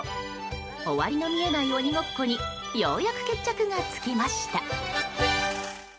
終わりの見えない鬼ごっこにようやく決着がつきました。